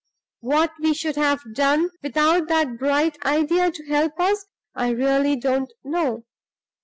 What we should have done without that bright idea to help us, I really don't know.